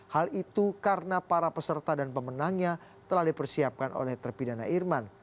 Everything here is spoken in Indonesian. hal itu karena para peserta dan pemenangnya telah dipersiapkan oleh terpidana irman